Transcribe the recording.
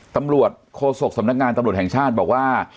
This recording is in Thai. ตำรวจโฆษกสำนักงานตำรวจแห่งชาติบอกว่า